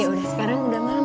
udah sekarang udah malam